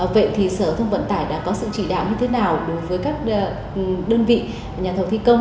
vậy thì sở thông vận tải đã có sự chỉ đạo như thế nào đối với các đơn vị nhà thầu thi công